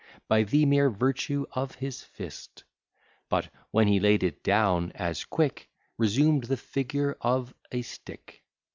By the mere virtue of his fist: But, when he laid it down, as quick Resum'd the figure of a stick.